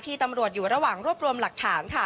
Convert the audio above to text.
ตำรวจอยู่ระหว่างรวบรวมหลักฐานค่ะ